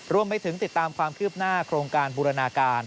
รวมไปถึงติดตามความคืบหน้าโครงการบูรณาการ